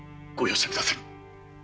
ご容赦ください！